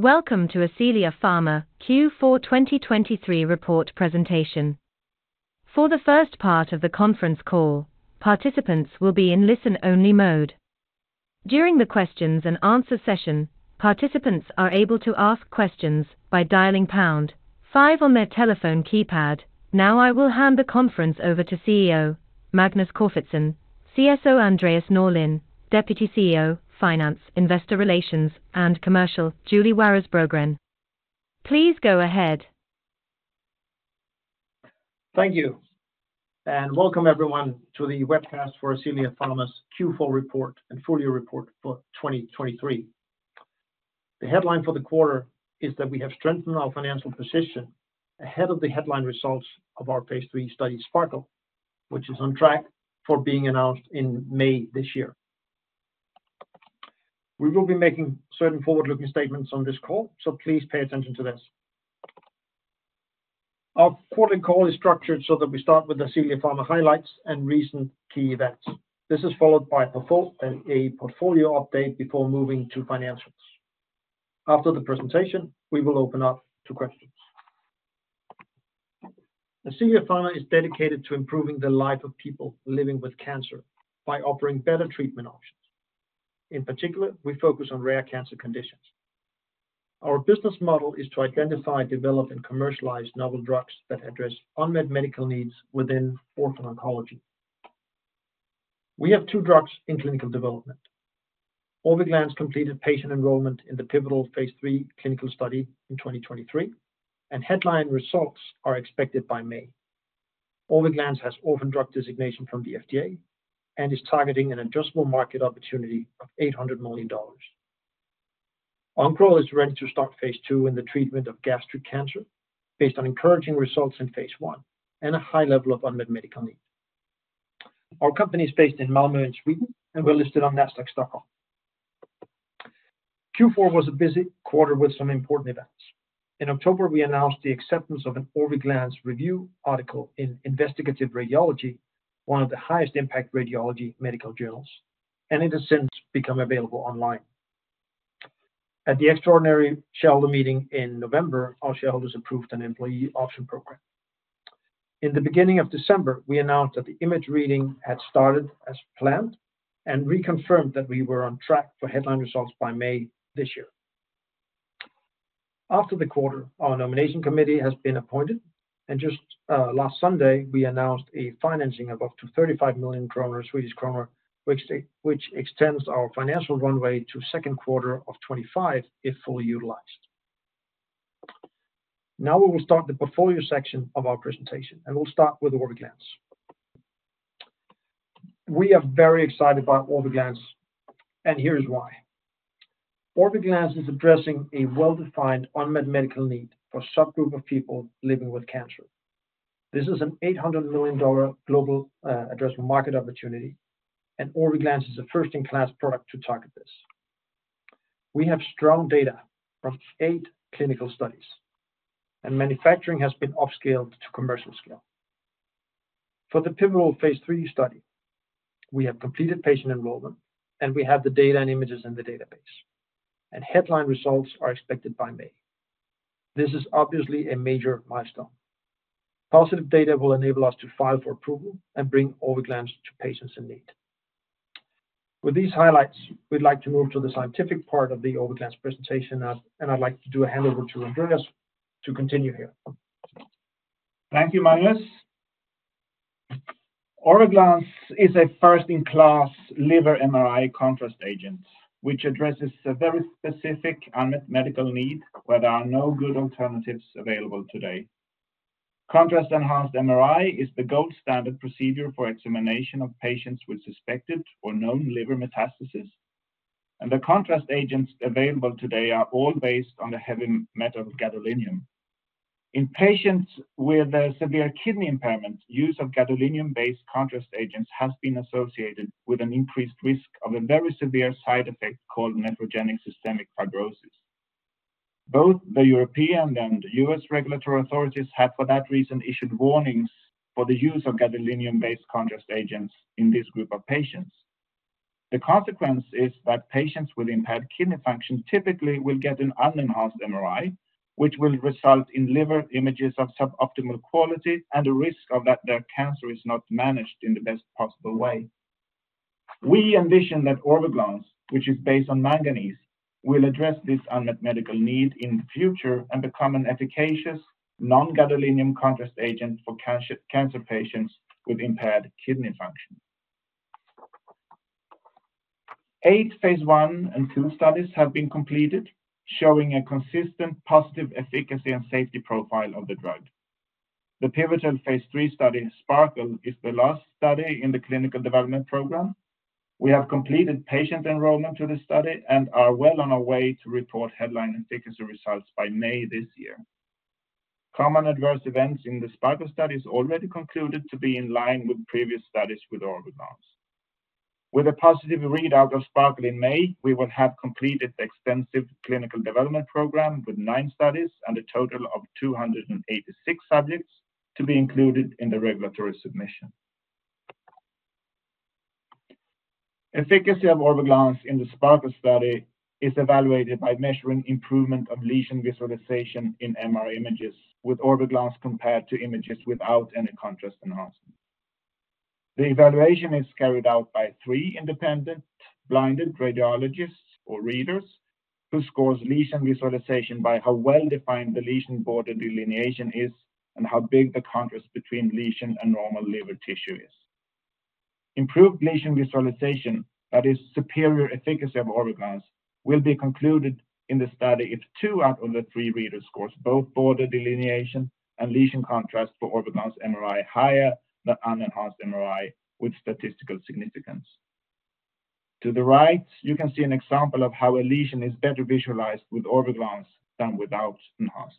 Welcome to Ascelia Pharma Q4 2023 Report Presentation. For the first part of the conference call, participants will be in listen-only mode. During the questions-and-answers session, participants are able to ask questions by dialing pound five on their telephone keypad. Now I will hand the conference over to CEO Magnus Corfitzen, CSO Andreas Norlin, Deputy CEO, Finance, Investor Relations, and Commercial Julie Waras Brogren. Please go ahead. Thank you, and welcome everyone to the webcast for Ascelia Pharma's Q4 Report and Full-Year Report for 2023. The headline for the quarter is that we have strengthened our financial position ahead of the headline results of our phase III study SPARKLE, which is on track for being announced in May this year. We will be making certain forward-looking statements on this call, so please pay attention to this. Our quarterly call is structured so that we start with Ascelia Pharma highlights and recent key events. This is followed by a portfolio update before moving to financials. After the presentation, we will open up to questions. Ascelia Pharma is dedicated to improving the life of people living with cancer by offering better treatment options. In particular, we focus on rare cancer conditions. Our business model is to identify, develop, and commercialize novel drugs that address unmet medical needs within orphan oncology. We have two drugs in clinical development. Orviglance completed patient enrollment in the pivotal phase III clinical study in 2023, and headline results are expected by May. Orviglance has orphan drug designation from the FDA and is targeting an addressable market opportunity of $800 million. Oncoral is ready to start phase II in the treatment of gastric cancer based on encouraging results in phase I and a high level of unmet medical need. Our company is based in Malmö in Sweden, and we're listed on Nasdaq Stockholm. Q4 was a busy quarter with some important events. In October, we announced the acceptance of an Orviglance review article in Investigative Radiology, one of the highest-impact radiology medical journals, and it has since become available online. At the extraordinary shareholder meeting in November, our shareholders approved an employee option program. In the beginning of December, we announced that the image reading had started as planned and reconfirmed that we were on track for headline results by May this year. After the quarter, our nomination committee has been appointed, and just last Sunday we announced a financing of up to 35 million kronor, which extends our financial runway to second quarter of 2025 if fully utilized. Now we will start the portfolio section of our presentation, and we'll start with Orviglance. We are very excited about Orviglance, and here is why. Orviglance is addressing a well-defined unmet medical need for a subgroup of people living with cancer. This is an $800 million global addressable market opportunity, and Orviglance is a first-in-class product to target this. We have strong data from eight clinical studies, and manufacturing has been upscaled to commercial scale. For the pivotal phase III study, we have completed patient enrollment, and we have the data and images in the database, and headline results are expected by May. This is obviously a major milestone. Positive data will enable us to file for approval and bring Orviglance to patients in need. With these highlights, we'd like to move to the scientific part of the Orviglance presentation, and I'd like to do a handover to Andreas to continue here. Thank you, Magnus. Orviglance is a first-in-class liver MRI contrast agent, which addresses a very specific unmet medical need where there are no good alternatives available today. Contrast-enhanced MRI is the gold standard procedure for examination of patients with suspected or known liver metastasis, and the contrast agents available today are all based on the heavy metal gadolinium. In patients with severe kidney impairment, use of gadolinium-based contrast agents has been associated with an increased risk of a very severe side effect called Nephrogenic Systemic Fibrosis. Both the European and U.S. regulatory authorities have, for that reason, issued warnings for the use of gadolinium-based contrast agents in this group of patients. The consequence is that patients with impaired kidney function typically will get an unenhanced MRI, which will result in liver images of suboptimal quality and a risk of that their cancer is not managed in the best possible way. We envision that Orviglance, which is based on manganese, will address this unmet medical need in the future and become an efficacious non-gadolinium contrast agent for cancer patients with impaired kidney function. Eight phase I and II studies have been completed, showing a consistent positive efficacy and safety profile of the drug. The pivotal phase III study SPARKLE is the last study in the clinical development program. We have completed patient enrollment to this study and are well on our way to report headline efficacy results by May this year. Common adverse events in the SPARKLE study is already concluded to be in line with previous studies with Orviglance. With a positive readout of SPARKLE in May, we will have completed the extensive clinical development program with nine studies and a total of 286 subjects to be included in the regulatory submission. Efficacy of Orviglance in the SPARKLE study is evaluated by measuring improvement of lesion visualization in MR images with Orviglance compared to images without any contrast enhancement. The evaluation is carried out by three independent blinded radiologists or readers who score lesion visualization by how well defined the lesion border delineation is and how big the contrast between lesion and normal liver tissue is. Improved lesion visualization, that is, superior efficacy of Orviglance, will be concluded in the study if two out of the three readers score both border delineation and lesion contrast for Orviglance MRI higher than unenhanced MRI with statistical significance. To the right, you can see an example of how a lesion is better visualized with Orviglance than without enhancement.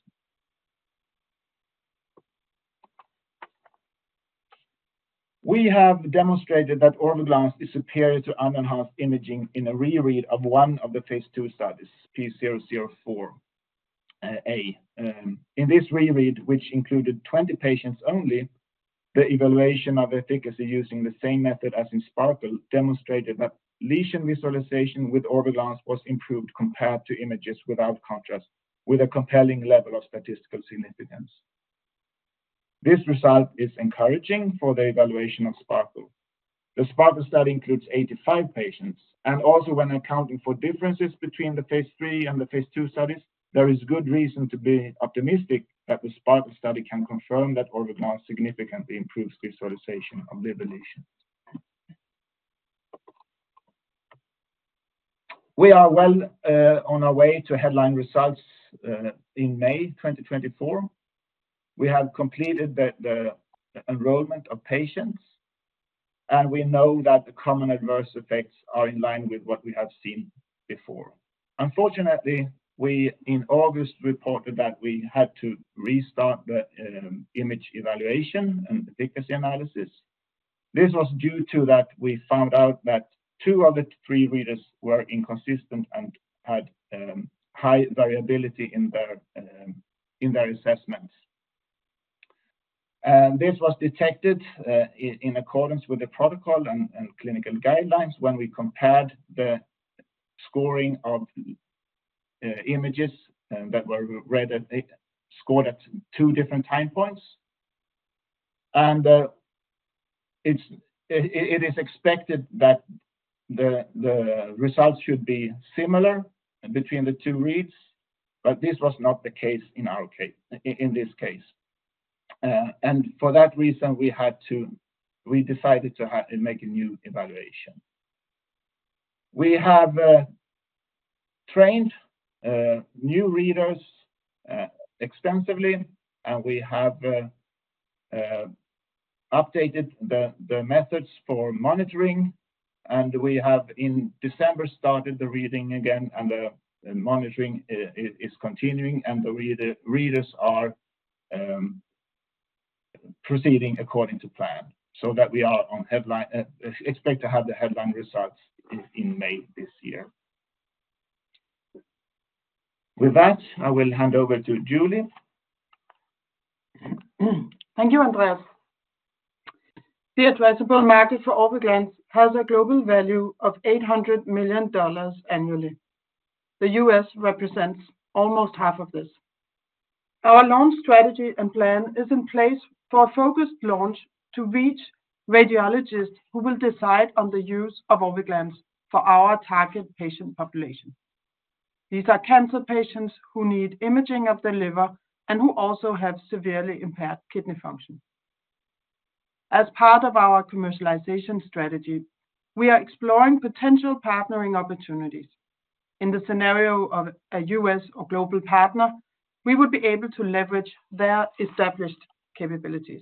We have demonstrated that Orviglance is superior to unenhanced imaging in a reread of one of the phase II studies, P004A. In this reread, which included 20 patients only, the evaluation of efficacy using the same method as in SPARKLE demonstrated that lesion visualization with Orviglance was improved compared to images without contrast with a compelling level of statistical significance. This result is encouraging for the evaluation of SPARKLE. The SPARKLE study includes 85 patients, and also when accounting for differences between the phase III and the phase II studies, there is good reason to be optimistic that the SPARKLE study can confirm that Orviglance significantly improves visualization of liver lesions. We are well on our way to headline results in May 2024. We have completed the enrollment of patients, and we know that the common adverse effects are in line with what we have seen before. Unfortunately, we, in August, reported that we had to restart the image evaluation and efficacy analysis. This was due to that we found out that two of the three readers were inconsistent and had high variability in their assessments. This was detected in accordance with the protocol and clinical guidelines when we compared the scoring of images that were scored at two different time points. It is expected that the results should be similar between the two reads, but this was not the case in this case. For that reason, we decided to make a new evaluation. We have trained new readers extensively, and we have updated the methods for monitoring, and we have in December started the reading again, and the monitoring is continuing, and the readers are proceeding according to plan so that we expect to have the headline results in May this year. With that, I will hand over to Julie. Thank you, Andreas. The addressable market for Orviglance has a global value of $800 million annually. The U.S. represents almost half of this. Our launch strategy and plan is in place for a focused launch to reach radiologists who will decide on the use of Orviglance for our target patient population. These are cancer patients who need imaging of the liver and who also have severely impaired kidney function. As part of our commercialization strategy, we are exploring potential partnering opportunities. In the scenario of a U.S. or global partner, we would be able to leverage their established capabilities.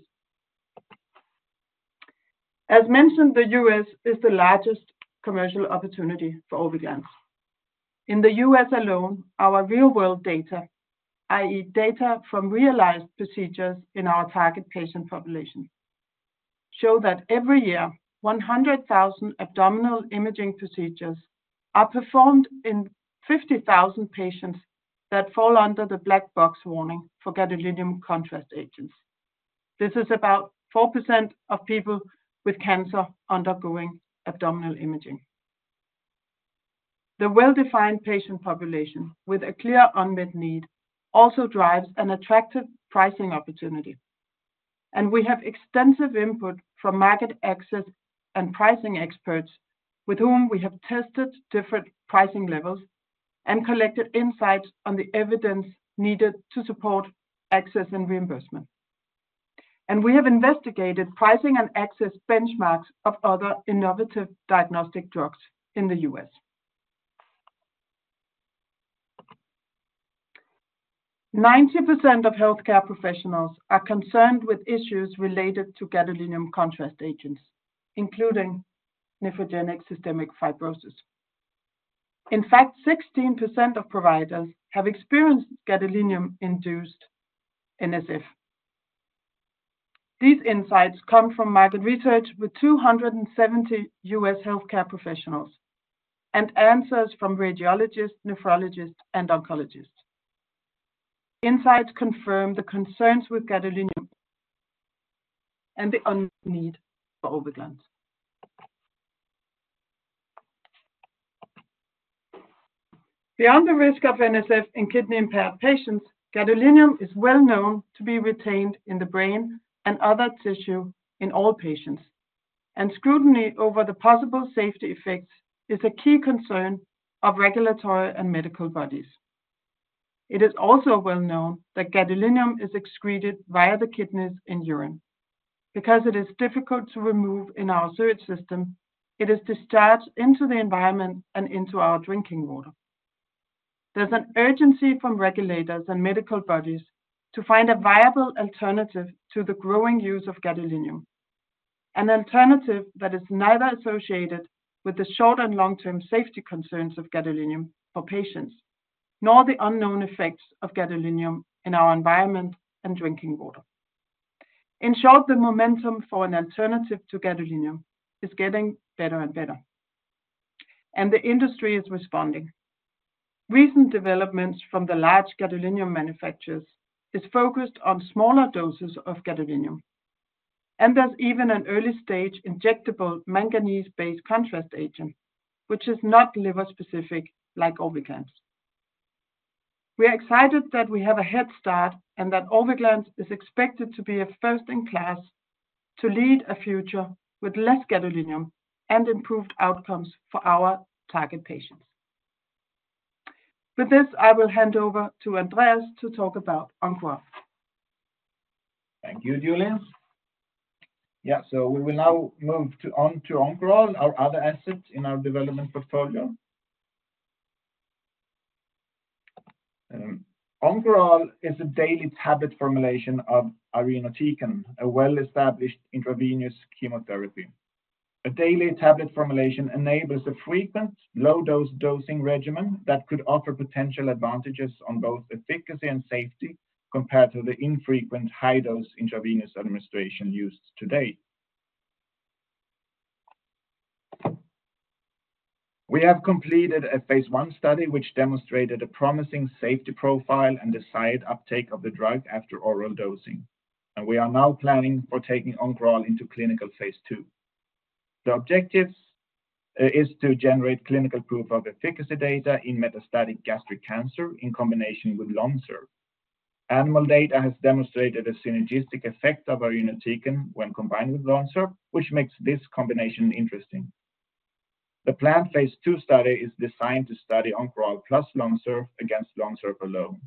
As mentioned, the U.S. is the largest commercial opportunity for Orviglance. In the U.S. alone, our real-world data, i.e., data from realized procedures in our target patient population, show that every year 100,000 abdominal imaging procedures are performed in 50,000 patients that fall under the Black Box Warning for gadolinium contrast agents. This is about 4% of people with cancer undergoing abdominal imaging. The well-defined patient population with a clear unmet need also drives an attractive pricing opportunity. We have extensive input from market access and pricing experts with whom we have tested different pricing levels and collected insights on the evidence needed to support access and reimbursement. We have investigated pricing and access benchmarks of other innovative diagnostic drugs in the U.S. 90% of healthcare professionals are concerned with issues related to gadolinium contrast agents, including Nephrogenic Systemic Fibrosis. In fact, 16% of providers have experienced gadolinium-induced NSF. These insights come from market research with 270 U.S. healthcare professionals and answers from radiologists, nephrologists, and oncologists. Insights confirm the concerns with gadolinium and the need for Orviglance. Beyond the risk of NSF in kidney-impaired patients, gadolinium is well known to be retained in the brain and other tissue in all patients, and scrutiny over the possible safety effects is a key concern of regulatory and medical bodies. It is also well known that gadolinium is excreted via the kidneys in urine. Because it is difficult to remove in our sewage system, it is discharged into the environment and into our drinking water. There's an urgency from regulators and medical bodies to find a viable alternative to the growing use of gadolinium, an alternative that is neither associated with the short- and long-term safety concerns of gadolinium for patients nor the unknown effects of gadolinium in our environment and drinking water. In short, the momentum for an alternative to gadolinium is getting better and better, and the industry is responding. Recent developments from the large gadolinium manufacturers are focused on smaller doses of gadolinium, and there's even an early-stage injectable manganese-based contrast agent, which is not liver-specific like Orviglance. We are excited that we have a head start and that Orviglance is expected to be a first-in-class to lead a future with less gadolinium and improved outcomes for our target patients. With this, I will hand over to Andreas to talk about Oncoral. Thank you, Julie. Yeah, so we will now move on to Oncoral, our other asset in our development portfolio. Oncoral is a daily tablet formulation of irinotecan, a well-established intravenous chemotherapy. A daily tablet formulation enables a frequent, low-dose dosing regimen that could offer potential advantages on both efficacy and safety compared to the infrequent high-dose intravenous administration used today. We have completed a phase I study, which demonstrated a promising safety profile and desired uptake of the drug after oral dosing, and we are now planning for taking Oncoral into clinical phase II. The objectives are to generate clinical proof of efficacy data in metastatic gastric cancer in combination with LONSURF. Animal data has demonstrated a synergistic effect of irinotecan when combined with LONSURF, which makes this combination interesting. The planned phase II study is designed to study Oncoral + LONSURF against LONSURF alone.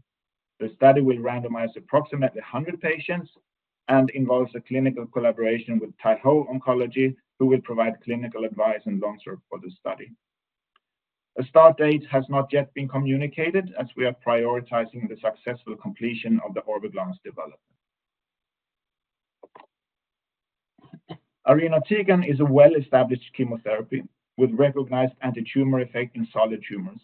The study will randomize approximately 100 patients and involves a clinical collaboration with Taiho Oncology, who will provide clinical advice and LONSURF for the study. A start date has not yet been communicated as we are prioritizing the successful completion of the Orviglance development. Irinotecan is a well-established chemotherapy with recognized anti-tumor effect in solid tumors.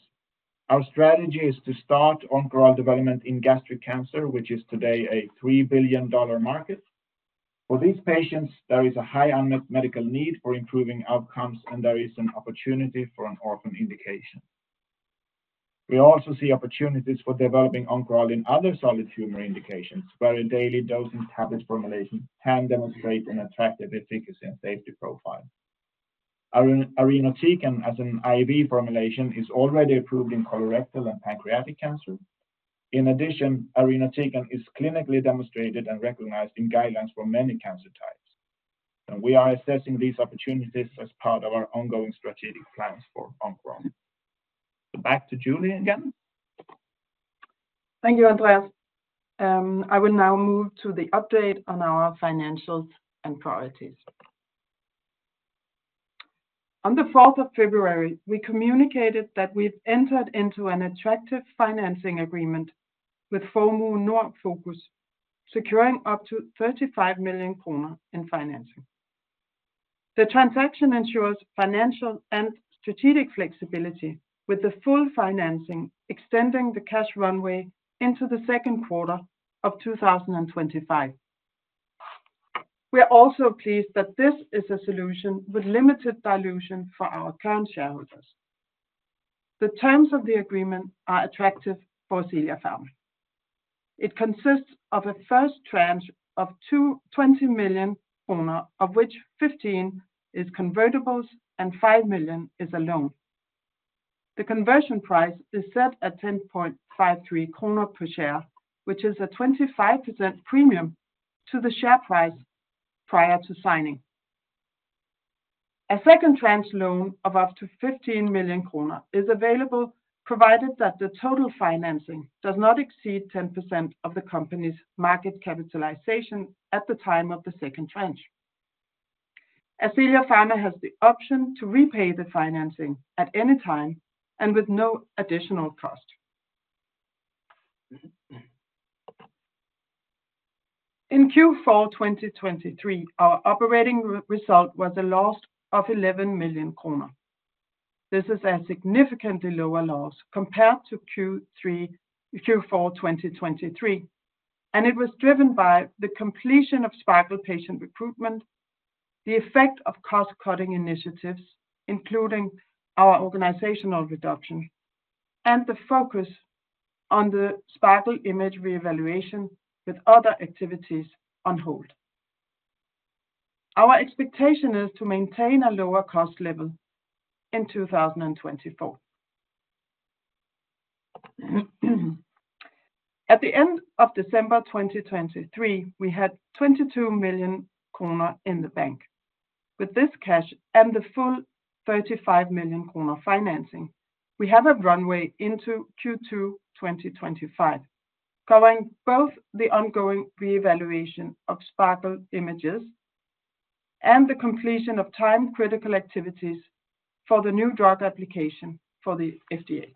Our strategy is to start Oncoral development in gastric cancer, which is today a $3 billion market. For these patients, there is a high unmet medical need for improving outcomes, and there is an opportunity for an orphan indication. We also see opportunities for developing Oncoral in other solid tumor indications, where a daily dosing tablet formulation can demonstrate an attractive efficacy and safety profile. Irinotecan, as an IV formulation, is already approved in colorectal and pancreatic cancer. In addition, Irinotecan is clinically demonstrated and recognized in guidelines for many cancer types, and we are assessing these opportunities as part of our ongoing strategic plans for Oncoral. Back to Julie again. Thank you, Andreas. I will now move to the update on our financials and priorities. On the 4th of February, we communicated that we've entered into an attractive financing agreement with Formue Nord Fokus, securing up to 35 million kronor in financing. The transaction ensures financial and strategic flexibility, with the full financing extending the cash runway into the second quarter of 2025. We are also pleased that this is a solution with limited dilution for our current shareholders. The terms of the agreement are attractive for Ascelia Pharma. It consists of a first tranche of 20 million kronor, of which 15 million is convertibles and 5 million is a loan. The conversion price is set at 10.53 kronor per share, which is a 25% premium to the share price prior to signing. A second tranche loan of up to 15 million kronor is available, provided that the total financing does not exceed 10% of the company's market capitalization at the time of the second tranche. Ascelia Pharma has the option to repay the financing at any time and with no additional cost. In Q4 2023, our operating result was a loss of 11 million kronor. This is a significantly lower loss compared to Q4 2023, and it was driven by the completion of SPARKLE patient recruitment, the effect of cost-cutting initiatives, including our organizational reduction, and the focus on the SPARKLE image reevaluation with other activities on hold. Our expectation is to maintain a lower cost level in 2024. At the end of December 2023, we had 22 million kronor in the bank. With this cash and the full 35 million kronor financing, we have a runway into Q2 2025, covering both the ongoing reevaluation of SPARKLE images and the completion of time-critical activities for the new drug application for the FDA.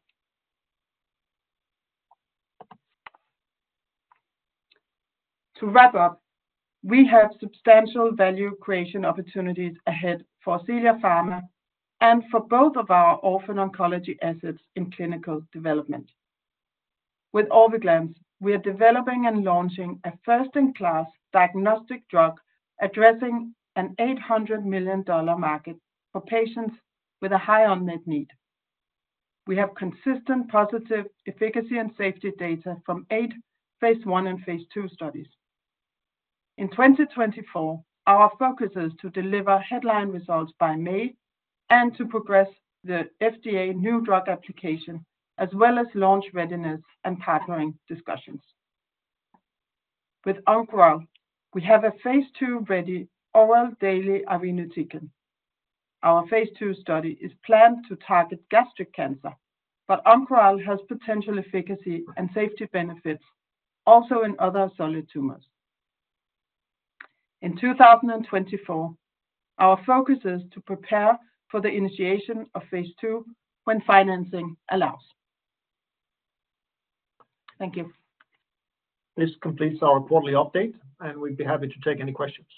To wrap up, we have substantial value creation opportunities ahead for Ascelia Pharma and for both of our orphan oncology assets in clinical development. With Orviglance, we are developing and launching a first-in-class diagnostic drug addressing an $800 million market for patients with a high unmet need. We have consistent positive efficacy and safety data from eight phase I and phase II studies. In 2024, our focus is to deliver headline results by May and to progress the FDA new drug application as well as launch readiness and partnering discussions. With Oncoral, we have a phase II-ready oral daily irinotecan. Our phase II study is planned to target gastric cancer, but Oncoral has potential efficacy and safety benefits also in other solid tumors. In 2024, our focus is to prepare for the initiation of phase II when financing allows. Thank you. This completes our quarterly update, and we'd be happy to take any questions.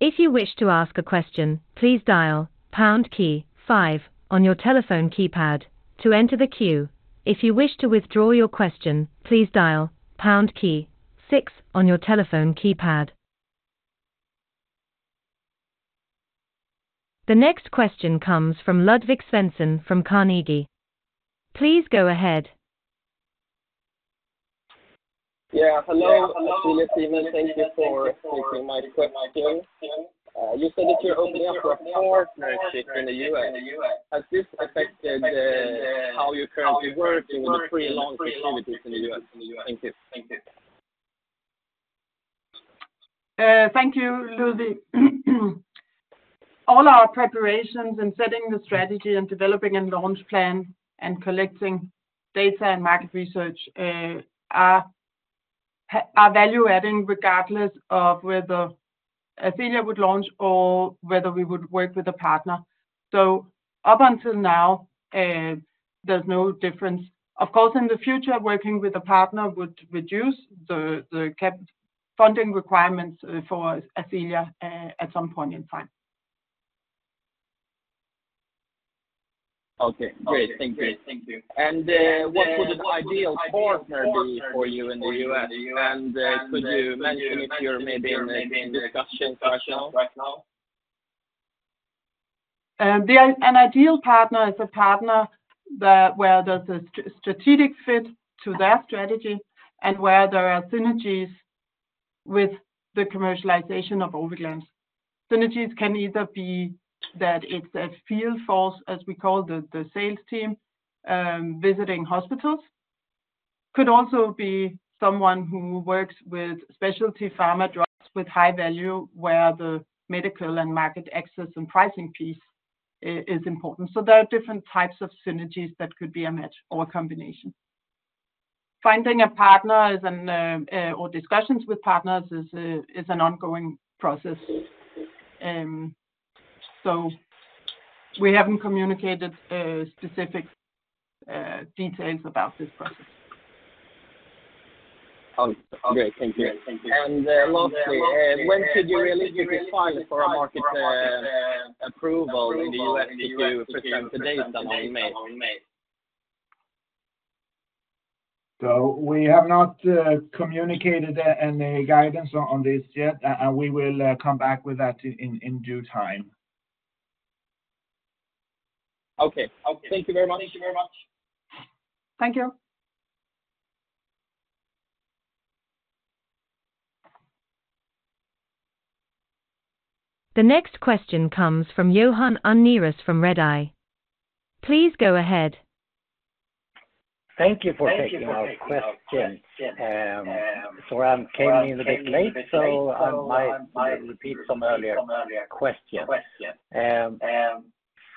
If you wish to ask a question, please dial pound key five on your telephone keypad to enter the queue. If you wish to withdraw your question, please dial pound key six on your telephone keypad. The next question comes from Ludvig Svensson from Carnegie. Please go ahead. Yeah, hello, Ascelia team. Thank you for taking my question. You said that you're opening up for a partnership in the U.S. Has this affected how you currently work with the pre-launch activities in the U.S.? Thank you. Thank you, Ludvig. All our preparations in setting the strategy and developing a launch plan and collecting data and market research are value-adding regardless of whether Ascelia would launch or whether we would work with a partner. Up until now, there's no difference. Of course, in the future, working with a partner would reduce the funding requirements for Ascelia at some point in time. Okay, great. Thank you. And what would an ideal partner be for you in the U.S.? And could you mention if you're maybe in a discussion right now? An ideal partner is a partner where there's a strategic fit to their strategy and where there are synergies with the commercialization of Orviglance. Synergies can either be that it's a field force, as we call the sales team, visiting hospitals. It could also be someone who works with specialty pharma drugs with high value, where the medical and market access and pricing piece is important. There are different types of synergies that could be a match or a combination. Finding a partner or discussions with partners is an ongoing process. We haven't communicated specific details about this process. Great. Thank you. And lastly, when should you file your NDA for market approval in the U.S. if you present the data on May? We have not communicated any guidance on this yet, and we will come back with that in due time. Okay. Thank you very much. Thank you. The next question comes from Johan Unnérus from Redeye. Please go ahead. Thank you for taking our questions. Sorry, I came in a bit late, so I might repeat some earlier questions.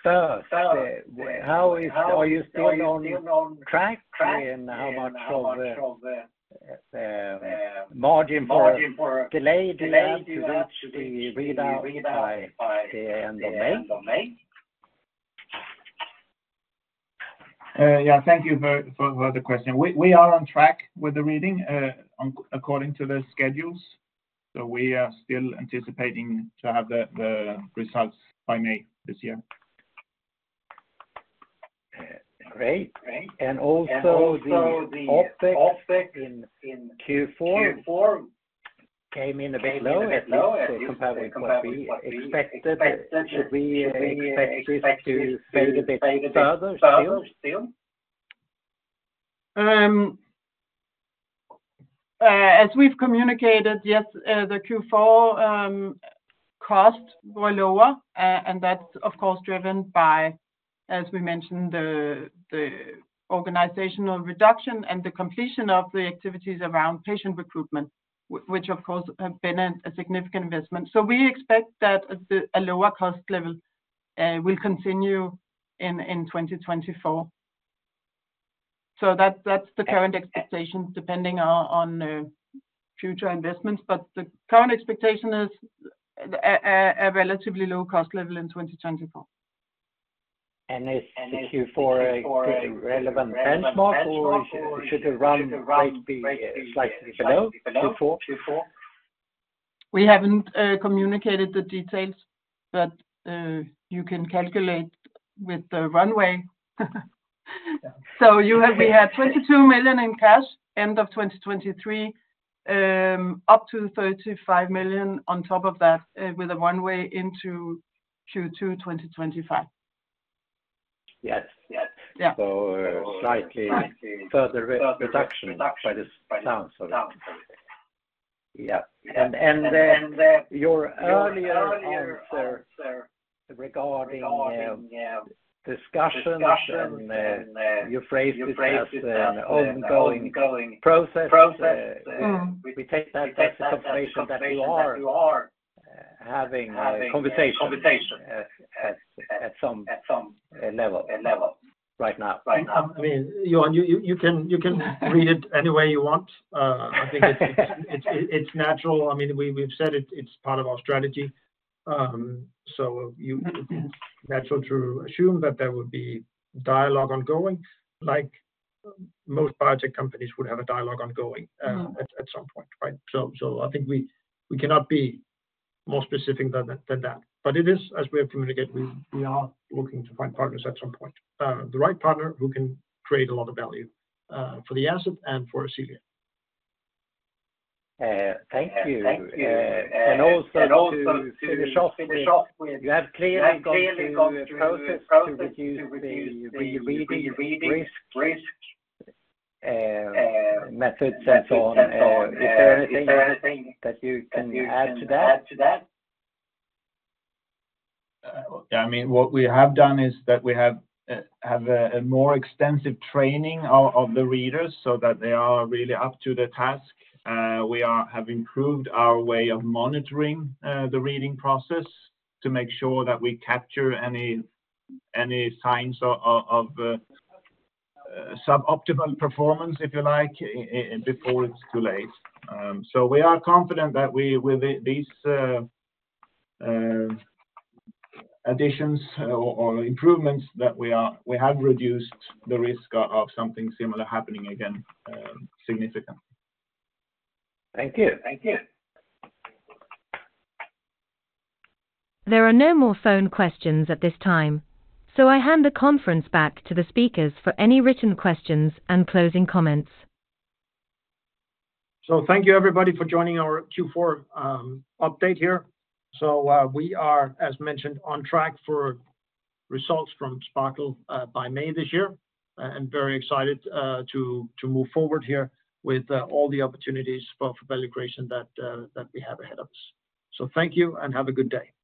First, are you still on track, and how much of a margin for delay do you have to reach the readout by the end of May? Yeah, thank you for the question. We are on track with the reading according to the schedules. So we are still anticipating to have the results by May this year. Great. And also the OpEx in Q4 came in a bit lower compared with what we expected. Should we expect this to fade a bit further still? As we've communicated, yes, the Q4 costs were lower, and that's, of course, driven by, as we mentioned, the organizational reduction and the completion of the activities around patient recruitment, which, of course, have been a significant investment. So we expect that a lower cost level will continue in 2024. So that's the current expectation depending on future investments, but the current expectation is a relatively low cost level in 2024. Is Q4 a relevant benchmark, or should the run rate be slightly below Q4? We haven't communicated the details, but you can calculate with the runway. So we had 22 million in cash end of 2023, up to 35 million on top of that with a runway into Q2 2025. Yes. Yes. So slightly further reduction by the sounds of it. Yeah. And your earlier answer regarding discussion, you phrased this as an ongoing process. We take that as a confirmation that you are having a conversation at some level right now. I mean, Johan, you can read it any way you want. I think it's natural. I mean, we've said it's part of our strategy. So it's natural to assume that there would be dialogue ongoing, like most biotech companies would have a dialogue ongoing at some point, right? So I think we cannot be more specific than that. But it is, as we have communicated, we are looking to find partners at some point, the right partner who can create a lot of value for the asset and for Ascelia. Thank you. And also, finish off with you have clearly gone through the process to reduce the rereading risk methods and so on. Is there anything that you can add to that? Yeah. I mean, what we have done is that we have a more extensive training of the readers so that they are really up to the task. We have improved our way of monitoring the reading process to make sure that we capture any signs of suboptimal performance, if you like, before it's too late. So we are confident that with these additions or improvements that we have, we have reduced the risk of something similar happening again significantly. Thank you. Thank you. There are no more phone questions at this time, so I hand the conference back to the speakers for any written questions and closing comments. Thank you, everybody, for joining our Q4 update here. We are, as mentioned, on track for results from SPARKLE by May this year, and very excited to move forward here with all the opportunities for value creation that we have ahead of us. Thank you and have a good day.